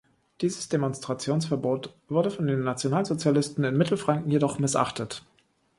Dieses Demonstrationsverbot wurde von den Nationalsozialisten in Mittelfranken jedoch missachtet.